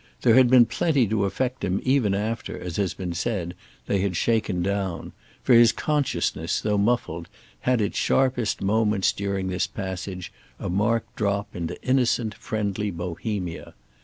There had been plenty to affect him even after, as has been said, they had shaken down; for his consciousness, though muffled, had its sharpest moments during this passage, a marked drop into innocent friendly Bohemia.